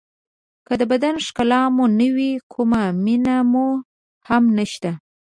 که د بدن ښکلا مو نه وي کوم مېن مو هم نشته.